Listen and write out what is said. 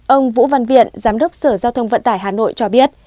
ông vũ văn viện giám đốc sở giao thông vận tải hà nội cho biết